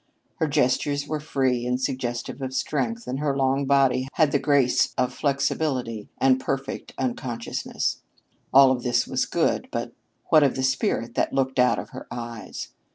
Her gestures were free and suggestive of strength, and her long body had the grace of flexibility and perfect unconsciousness. All of this was good; but what of the spirit that looked out of her eyes?